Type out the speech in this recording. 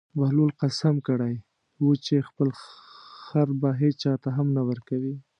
بهلول قسم کړی و چې خپل خر به هېچا ته هم نه ورکوي.